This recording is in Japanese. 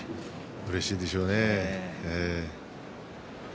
うれしいでしょうね。